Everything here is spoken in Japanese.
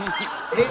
えっ！